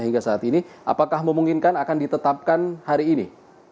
hingga saat ini apakah memungkinkan akan ditetapkan hari ini